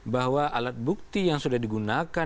bahwa alat bukti yang sudah digunakan